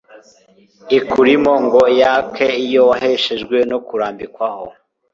ikurimo ngo yake iyo waheshejwe no kurambikwaho